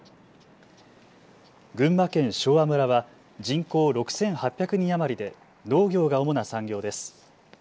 群馬県昭和村は人口６８００人余りで農業が主な産業です。